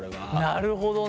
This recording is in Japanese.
なるほどね。